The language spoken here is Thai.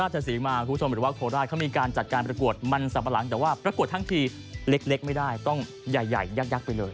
สีมาคุณผู้ชมหรือว่าโคราชเขามีการจัดการประกวดมันสับปะหลังแต่ว่าประกวดทั้งทีเล็กไม่ได้ต้องใหญ่ยักษ์ไปเลย